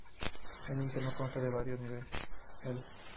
El interior consta de varios niveles.